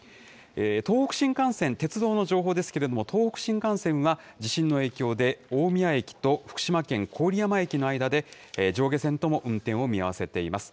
東北新幹線、鉄道の情報ですけれども、東北新幹線は、自身の影響で、大宮駅と福島県郡山駅の間で、上下線とも運転を見合わせています。